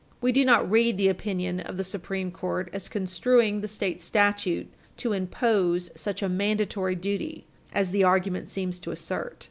We do not read the opinion of the Supreme Court as construing the state statute to impose such a "mandatory duty" as the argument seems to assert.